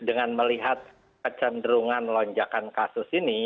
dengan melihat kecenderungan lonjakan kasus ini